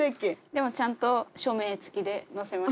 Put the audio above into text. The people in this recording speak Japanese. でもちゃんと署名付きで載せました。